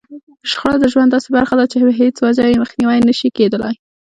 شخړه د ژوند داسې برخه ده چې په هېڅ وجه يې مخنيوی نشي کېدلای.